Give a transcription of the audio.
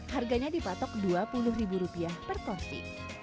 harganya dipatok dua puluh ribu rupiah per porsi